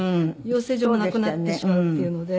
養成所もなくなってしまうっていうので。